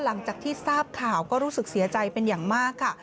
หลังจากที่ทราบข่าวก็รู้สึกเสียใจเป็นอย่างมากค่ะ